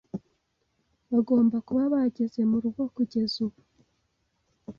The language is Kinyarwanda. Bagomba kuba bageze murugo kugeza ubu.